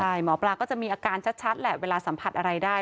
ใช่หมอปลาก็จะมีอาการชัดแหละเวลาสัมผัสอะไรได้